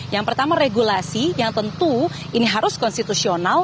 yang pertama regulasi yang tentu ini harus konstitusional